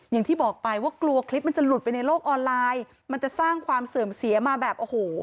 อย่างที่บอกไปว่ากลัวคลิปมันจะหลุดไปในโลกออนไลน์มันจะสร้างความเสื่อมเสียมาแบบโอ้โห